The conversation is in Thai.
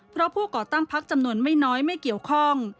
เพราะผู้ก่อตั้งพักจำนวนไม่น้อยไม่เกี่ยวข้อง